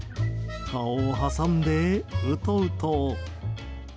顔を挟んで、うとうと。